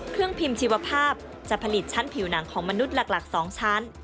เครื่องพิมพ์ชีวภาพจะผลิตชั้นผิวหนังของมนุษย์หลัก๒ชั้น